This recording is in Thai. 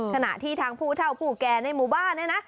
ขณะที่ทางผู้เท่าผู้แก่ในหมู่บ้านเนี่ยนะ